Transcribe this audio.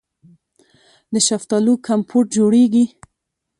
د شفتالو کمپوټ جوړیږي.